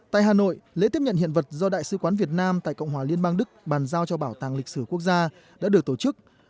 tại hà nội lễ tiếp nhận hiện vật do đại sứ quán việt nam tại cộng hòa liên bang đức bàn giao cho bảo tàng lịch sử quốc gia đã được tổ chức